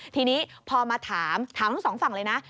ทีนี้พอมาถามถามทั้งสองฝั่งเลยนะ